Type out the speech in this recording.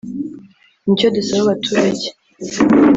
ni cyo dusaba abaturage